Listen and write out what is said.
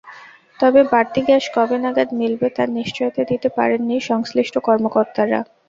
তবে বাড়তি গ্যাস কবে নাগাদ মিলবে, তার নিশ্চয়তা দিতে পারেননি সংশ্লিষ্ট কর্মকর্তারা।